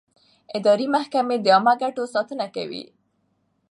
اداري محکمې د عامه ګټو ساتنه کوي.